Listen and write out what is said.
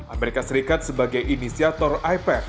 amerika serikat sebagai inisiator ipac